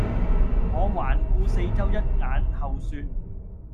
我環顧四周一眼後說